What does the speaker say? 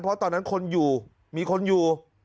เพราะตอนนั้นคนอยู่มีคนอยู่